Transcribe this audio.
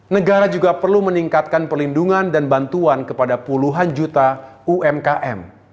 negara juga perlu meningkatkan perlindungan dan bantuan kepada puluhan juta umkm